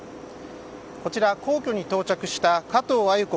こちら、皇居に到着した加藤鮎子